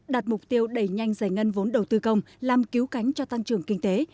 đạt mục tiêu đẩy nhanh giải ngân vốn đầu tư công làm cứu cánh cho tăng trưởng kinh tế